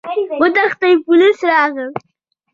وتښتئ! پوليس راغلل!